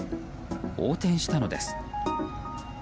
横転したのです。